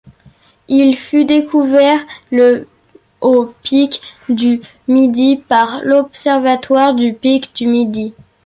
Il fut découvert le au Pic du Midi par l'observatoire du Pic du Midi.